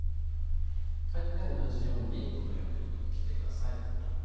では同じようにこのように切ってください。